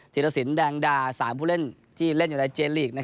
ธิรสินแดงดา๓ผู้เล่นที่เล่นอยู่ในเจนลีก